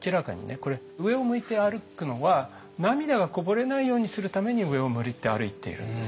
これ上を向いて歩くのは涙がこぼれないようにするために上を向いて歩いているんですよ。